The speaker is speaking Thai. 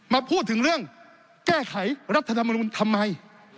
มาพูดถึงเรื่องแก้ไขรัฐธรรมนุนทำไม